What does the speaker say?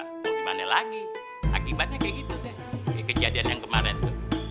mau gimana lagi akibatnya kayak gitu deh kejadian yang kemarin tuh